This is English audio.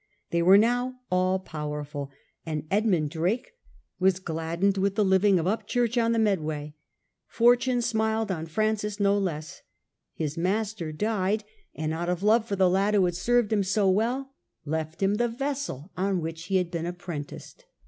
They were now all powerful, and Edmund Drake was gladdened with the living of Upchurch on the Medway. Fortune smiled on Francis no less. His master died, and out of love THE HAWKINS BROTHERS for the lad who had served him so well left him the vessel on which he had been apprenticed.